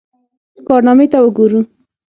کارنامې ته وګورو.